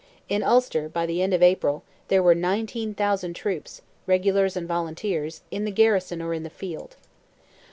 In Ulster, by the end of April, there were 19,000 troops, regulars and volunteers, in the garrison or in the field.